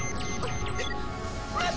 あっ。